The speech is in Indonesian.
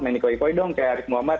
main iko ifo dong kayak arief muhammad